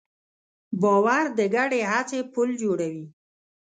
باور د ګډې هڅې پُل جوړوي.